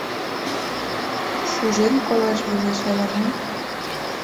Шужен колаш возеш ала-мо.